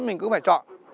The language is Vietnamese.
mình cứ phải chọn